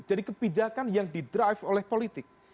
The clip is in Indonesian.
jadi kebijakan yang di drive oleh politik